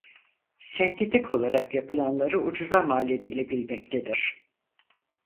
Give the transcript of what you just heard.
Sentetik olarak yapılanları ucuza maledilebilmektedir.